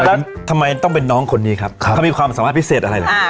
ทำไมต้องเป็นน้องคนนี้ครับเขามีความสามารถพิเศษอะไรล่ะ